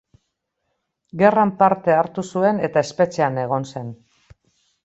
Gerran parte hartu zuen eta espetxean egon zen.